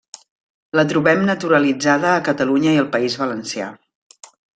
La trobem naturalitzada a Catalunya i al País Valencià.